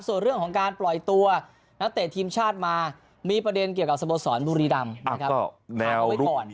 ส่วนเรื่องของการปล่อยตัวนักเตะทีมชาติมามีประเด็นเกี่ยวกับสโมสรบุรีรำนะครับไว้ก่อน